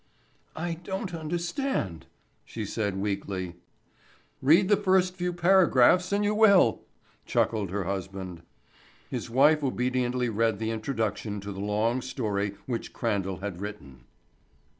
"I don't understand," she said weakly. "Read the first few paragraphs and you will," chuckled her husband. His wife obediently read the introduction to the long story which Crandall had written.